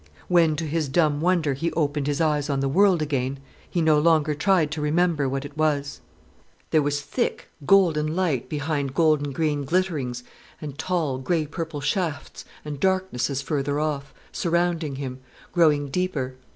When, to his dumb wonder, he opened his eyes on the world again, he no longer tried to remember what it was. There was thick, golden light behind golden green glitterings, and tall, grey purple shafts, and darknesses further off, surrounding him, growing deeper.